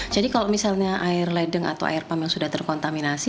jadi kalau misalnya air ledeng atau air pump yang sudah terkontaminasi